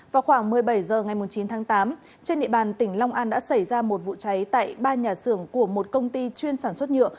vào khoảng một mươi bảy h ngày chín tháng tám trên địa bàn tỉnh long an đã xảy ra một vụ cháy tại ba nhà xưởng của một công ty chuyên sản xuất nhựa